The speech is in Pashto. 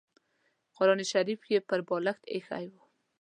قران شریف یې پر بالښت اېښی و.